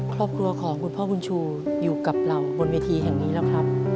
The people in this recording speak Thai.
ครอบครัวของคุณพ่อบุญชูอยู่กับเราบนเวทีแห่งนี้แล้วครับ